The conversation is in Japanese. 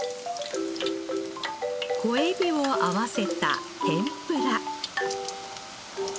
小エビを合わせた天ぷら。